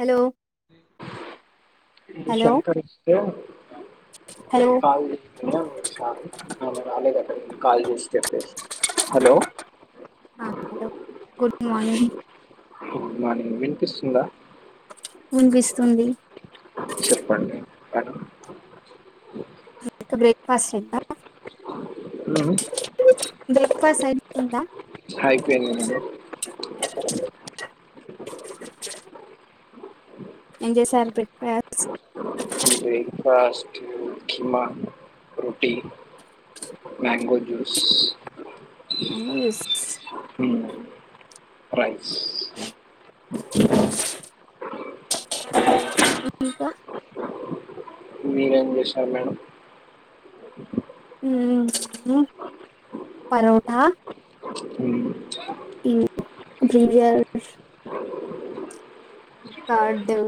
Hello ఇది hello Shankar వే hello కా చాల [unintelligible] కాల్ చేసి చెప్పేసి hello hello good morning morning వినిపిస్తుందా వినిపిస్తుంది చెప్పండి అ బ్రేక్ఫాస్ట్ అయిదా అ బ్రేక్ఫాస్ట్ అయిపోయింది అయిపోయింది అండి ఏం జైశారు breakfast breakfast keema రుటీ mango juice అనుస్ ప్రైస్ ఇంకా మీరేం చేశారు మేడం ఉమ్ మ్ పరోఠా ఉమ్ ఇ [unintelligible] కార్డు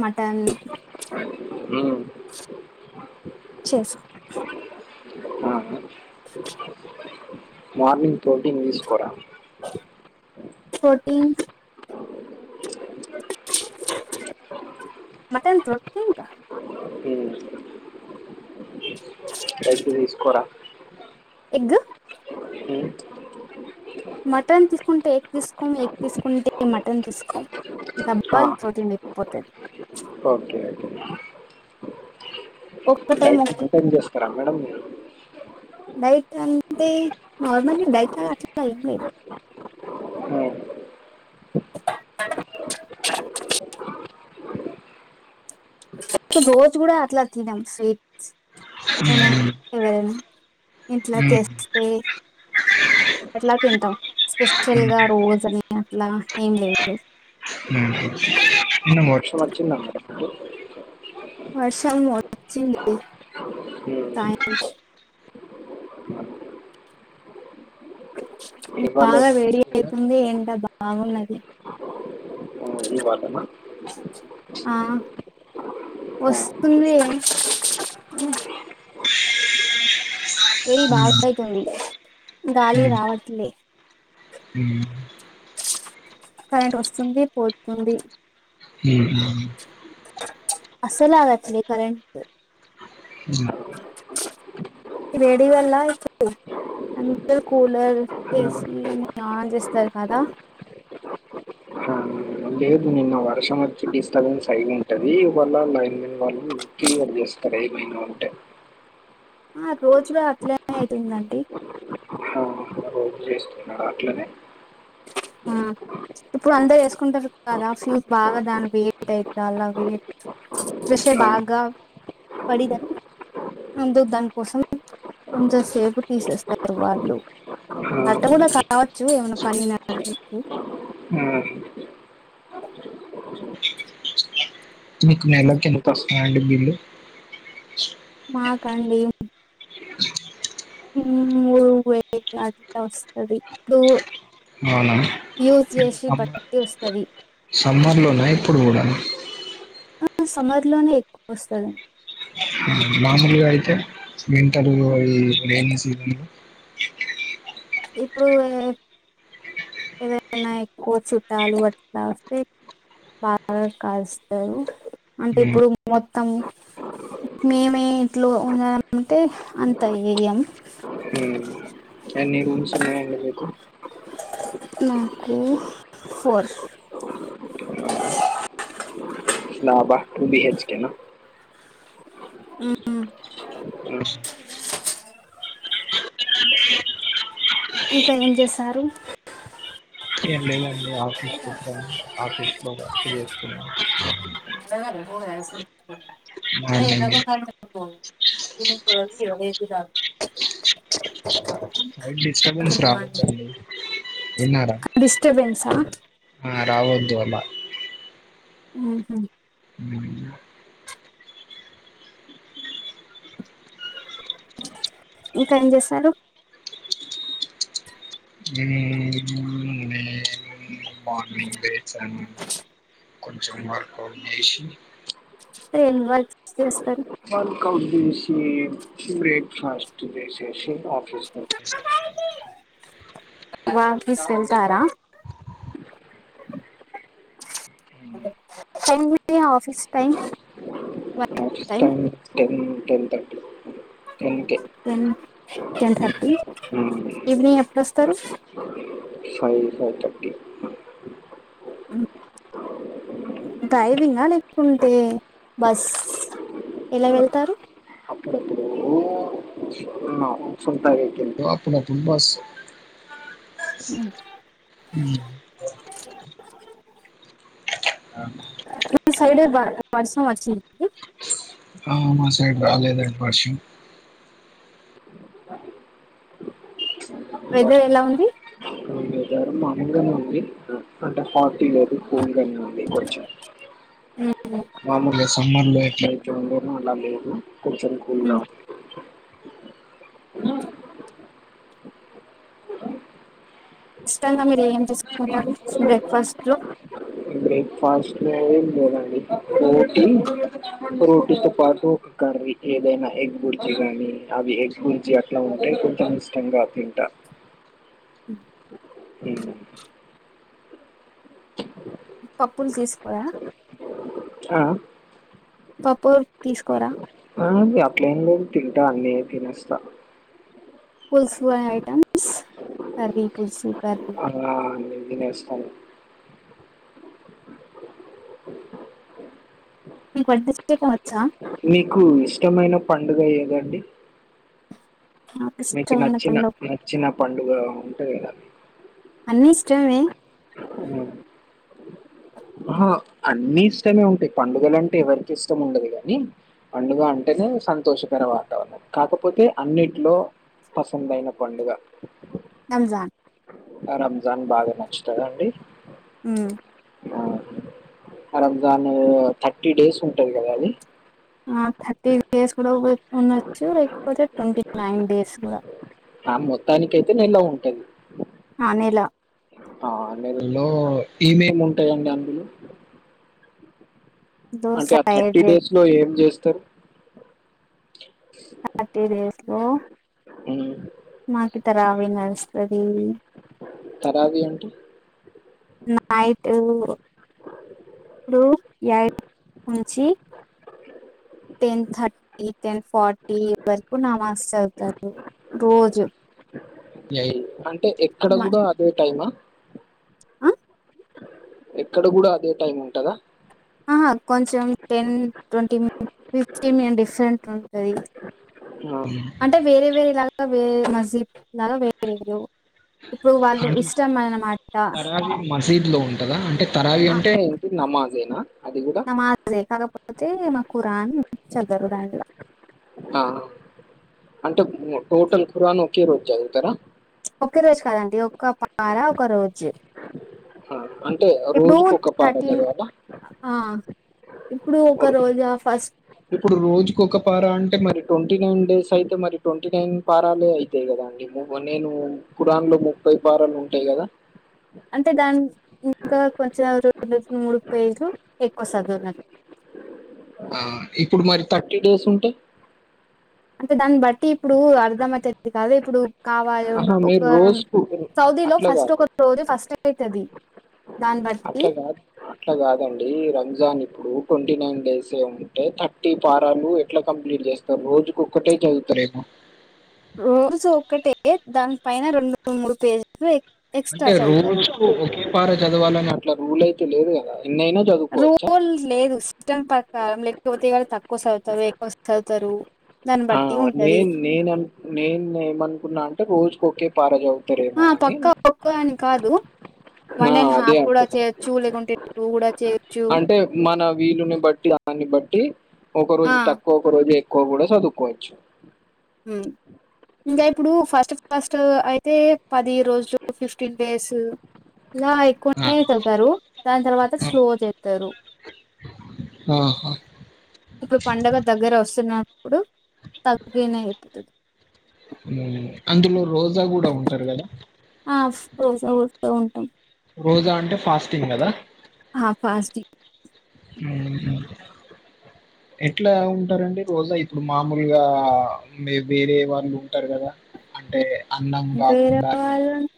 మటన్ మ్మ్. చేస ఆ. మార్నింగ్ తోటి తీసుకోరా ప్రోటీన్ మటన్ తో ఇంకా మ్మ్. ఎగ్ తీసుకోరా ఎగ్ మ్మ్. మటన్ తీసుకుంటే ఎగ్ తీసుకోం ఎగ్ తీసుకుంటే మటన్ తీసుకోం ఇ ఆ. దబ్బల్ ప్రతినిక పోతె ఓకే ఓకే ఒక్క ఎంటైం చేస్తారా మేడం డైట్ అంటే నార్మల్గా డైట్ అట్లా ఏం లేదు నిన్న [inaudible] రోజు కూడా అట్లా తినం స్వీట్స్ ఏనా ఎవరైనా ఇట్లా తెస్తే అట్లా తింటాం స్పెషల్ గా రోజు అని అట్లా ఏం లేదు నిన్న వర్షం వచ్చిందా మేడమ్ మీకు వర్షం వచ్చింది మీకు సాయంత్రం ఇవాళ ఎలా బాగా వేడి ఉంది వెదర్ అయితుంది ఏండా బాగున్నది [unintelligible] ఆ వస్తుంది వేడి బాగైతుంది గాలి రావట్లే కరెంట్ వస్తుంది పోతుంది అస్సాలవచినై కరెంటు హ్ వేడి వల్ల ఇచ్చట్టు అందరు కూలర్ ఏసీని ఆన్ చేస్తారు కదా [unintelligible] లేదు నిన్న వర్షం వచ్చి డిస్టర్బెన్స్ అయి ఉంటది ఇవాల్ల లైన్ మన్ వాళ్ళు క్లియర్ చేస్తారు. టైమ్ అయింది అంటే ఆ రోజు అట్లనే అయితుందండి ఆ, రోజు అట్లనే ఆ [inaudible] ఇప్పుడు అందరు వేసుకుంటారు. కదా ఫ్యూజ్ బాగా దాని వెయిట్ అయితే అలా వెయిట్ ఫ్రెషర్ ఆ, బాగా పడి దాని అందుకు దానికోసం కొంచెం సేపు తీసేస్తారు. వాళ్ళు ఆ, అట్ల కూడా కావచ్చు ఏమైనా పని ఉన్నట్లయితే [inaudible] ఆ, మీకు నెలకు ఎంత ఆస్తుందండీ బిల్లు మాకా అండి మూడు వేలు అంత వస్తది టూ అవునా అంత వస్తది సమ్మర్ లో నైయితే అప్పుడుగూడ సమ్మర్ లోనే ఎక్కువ వస్తది మామూలుగా అయితే వింటర్ లో రెయినీ సీజన్ లో ఇప్పుడు ఎవరైనా ఎక్కువ చుట్టాలు అట్లా వస్తే బాగా కాలుస్తారు అంటే ఉమ్, ఇప్పుడు మొత్తం మేమే ఇంట్లో ఉన్నా అంటే అంత వెయ్యం ఉమ్ ఎన్ని రూమ్స్ ఉన్నాయండీ మీకు మాకు ఫోర్ డాబా టూ బి హెచ్ కే నా [unintelligible] ఇంకా ఏం చేశారు ఏం లేదండి ఆఫీస్కి వచ్చాను ఆఫీస్లో వర్క్ చేసుకున్నాం మార్నింగ్ [unintelligible] [unintelligible] సైడ్ డిస్టర్బెన్స్ రావద్దండి విన్నారా డిస్టర్బెన్సా ఆ రావద్దు అలా ఉహు ఊ ఇంకా ఏం చేశారు నేను [unintelligible] కొంచెం వర్కవుట్ చేసి ఎండ్ వర్క్స్ చేస్తారు వర్కౌట్ దేసి బ్రేక్ఫాస్ట్ దేసి చేసి ఆఫీస్కు వచ్చేసా వఫీస్ వెళ్తారా ఏముంటాయి ఆఫీస్ టై వ time ten ten thirty ten కే టెన్ టెన్ థర్టీ ఉమ్ ఈవినింగ్ ఎప్పుడుొస్తారు ఫైయి ఫైయి థర్టీ డ్రైవింగ్ లేకుంటే బస్ ఎలా వెళ్తారు కొంచెం టైంకి వెళ్తే అప్పుడు అప్పుడు బస్ ఉ ఉ ఈ సైడ్ వర్ష వర్షం వచ్చింది ఆ మా సైడ్ రాలేదండి వర్షం వెదర్ వర్షం ఎలా ఉంది వెదర్ మామూలుగానే ఉంది అంటే హాట్ లేదు కూల్ గానే ఉంది కొంచెం మామూలుగా సమ్మర్ లో ఎట్లా అయితుందో అలా లేదు కొంచెం కూల్ గా ఉమ్. ఉంది ఇష్టంగా మీరు ఏం చేసుకుంటరు బ్రేక్ఫాస్ట్ లో ఉంది బ్రేక్ఫాస్ట్ లేదండి రోటీ రోటీతో పాటు ఒక కర్రీ ఏదైనా ఎగ్ బుర్కి గాని అవి ఎగ్ గుర్చ గ అట్లా ఉంటే కొంచం ఇష్టంగా తింట పప్పులు తీసుకోయా ఆఆ పప్పుర్ తీసుకోరా ఆ అట్ల ఏం లేదు తింటా అన్న తినేస్తా పుల్సూ ఆఐటమ్స్ కర్రీ పుల్సుూ కర్రీ అలా అన్నీ తినేస్తాను మీకు వంటే చెయ్యటం అచ్చా మీకు ఇష్టమైన పండుగ ఏదండి? నాకు మీకు ఇష్టమైన నచ్చిన పండుగ నచ్చిన పండుగ ఉంటది కదా. అన్నీ ఇష్టమే. అహా అన్ని ఇష్టమే ఉంటయి పండుగలు అంటే ఎవరికి ఇష్టం ఉండదు గాని, పండుగ అంటేనే సంతోషకర వాతావరణ, కాకపోతే అన్నింటిలో పసందయిన పండుగ జాన్ ఆ రంజాన్ బాగా నచ్చుతదండి. ఉమ్ రంజాను థర్టీ డేస్ ఉంటది కదా అది. ఆ థర్టీ డేస్ కూడా ఉ ఉండచ్చు, లేకపోతే ట్వంటీ నైన్ డేస్ గుడా ఆ మొత్తానికైతే నెల ఉంటది. ఆ నెల ఆ నెలలో ఏమేమి ఉంటదండి అందులో? అంటే ఆ థర్టీ సైడ్ డేస్ లో ఏం చేస్తరు? థర్టీ డేస్లో ఉమ్ మాకితరా అవి నర్సరీ తరావి అంటే నై టు ఇప్పుడు యై ద్ ఉంచి టెన్ థర్టీ టెన్ ఫార్టీ వరకు నమాజ్ చదువుతారు రోజు. యై అంటే ఎక్కడ మ- గుడా అదే టైమా? ఆ ఎక్కడ గుడా అదే టైముంటదా? ఆహా కొంచం ten twenty min fifteen min different ఉంటది. అంటే వేరే వేరే లాగా వే రే మసీద్ లాగా వేరు వేరు వాళ్ళు అంటే ఇష్టమైన నా తరావి మసీద్ లో ఉంటదా, అంటే తారావి ఆ, అంటే ఏంటి నమాజేనా? అది కూడా నమాజే కాకపోతే మాకు రాని చదరు బాడగ ఆ అంటే ఉ టోటల్ ఖురాన్ ఒకే రోజు చదువుతరా? ఒక్కరోజు కాదండి ఒక పార ఒక రోజు. ఆ, అంటే ఇప్పుడు రోజుకు ఒక పాట థర్టీన్ చదవాలా ఆ ఇప్పుడు ఒక్కరోజా ఫస్ ఇప్పుడు రోజుకి ఒక పార అంటే మరి ట్వంటీ నైన్ డేసైతే మరి, ట్వంటీ నైన్ పారాలే అయితయి కదా. ఇప్పుడు పో నేను కురాన్లో ముప్పై పారాలుంటయి కదా అంటే దాన్ ఇంకా కొంచం రెండేసి మూడు పేజులు ఎక్కువ సదుర్నాన్ ఉమ్ ఇప్పుడు మరి థర్టీ డేస్ ఉంటే? అంటే దాన్ని బట్టి ఇప్పుడు అర్ధమైతది కాదేప్పుడు కావాల్ రొండు ఆహా మీరు ఒక రొండ్ రోజుకు సౌదీ లో అట్లా ఫస్ట్ కాదు ఒక రోజు ఫాస్టేయితది. అట్లా కాద్ అట్లా కాదండి, రంజాన్ ఇప్పుడు ట్వంటీ నైన్ డేసే ఉంటయ్ థర్టీ పారాలు ఎట్లా కంప్లీట్ చేస్తరు, రోజుకొక్కటే చదువుతారేమో? రోజు ఒకటే దాని పైన రెండు మూడు పేజీలు ఎక్ అంటే రోజుకు ఒకే పార చదవాలని అట్లా రూలైతే లేదుగా? రూల్ లేదు, సిస్టం ప్రకారం లేకపోతే ఇయ్యాల తక్కువ సదువుతరు, ఎక్కువ సదువుతారు. ఆ నేన్ నేనా నేనేమనుకున్నా అంటే రోజు ఒకే కాడ చదువుతారేమో అని నువ్వే అని కాదు ఆ! వన్ అండ్ అదే హాఫ్ కూడా అనుకున్నా. చేయొచ్చు లేకుంటే టూ కూడా చేయొచ్చు అంటే మన వీలుని బట్టి అన్నాన్ని బట్టి ఒక ఆ రోజు తక్కువ ఒక రోజు ఎక్కువ కూడా చదువుకోవచ్చు ఉ ఇంకా ఇప్పుడు ఫస్ట్ క్లాస్ అయితే పది రోజులు ఫిఫ్టీన్ డేసు ఇలా ఆ! ఎక్కువనే చెప్తారు దాని తర్వాత స్లో చెప్తారు ఉ హు ఇప్పుడు పండగ దగ్గర వస్తున్న ఇప్పుడు తగ్గనే అయిపోతది ఉ అందులో రోజా కూడా ఉంటారు కదా ఆఫ్ రోజా క్లోజ ఉంటమ్ రోజా అంటే ఫాస్టింగ్ గదా ఫాస్టిక్ ఉ హు ఆ ఎట్లా ఉంటారండి రోజా ఇప్పుడు మామూలుగా మీ బీ వేరే వాళ్ళుంటారు గదా అంటే అన్నం వేరే కాకుండా టీ వాళ్ళు అంటే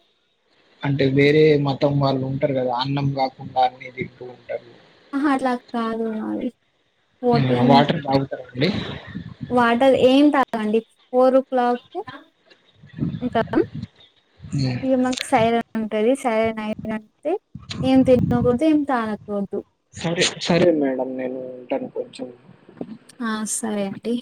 అంటే వేరే మతం వాళ్ళు ఉంటారు కదా అన్నం కాకుండా అని తింటూ ఉంటారు ఆహా అట్లా కాదు మవి వాటర్ తాగుతారండి వాటర్ ఏం తాగండి ఫోర్ ఓ క్లాక్ కీ ఉంటా అన్నం ఈ మాకు సైరన్ ఉంటది సైరన్ అయి అంటే ఏం తెలియకూడదు ఏం తానకూడదు సరే సరే మేడం నేను ఉంటాను కొంచెం ఆ సరే అండి